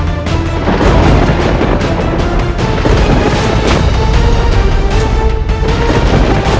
aku akan menentukan dan dapatkan